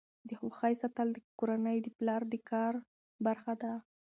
د خوښۍ ساتل د کورنۍ د پلار د کار برخه ده.